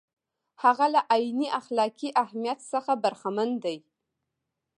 هغه له عیني اخلاقي اهمیت څخه برخمن دی.